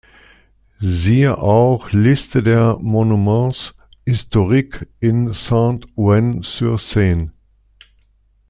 Siehe auch: Liste der Monuments historiques in Saint-Ouen-sur-Seine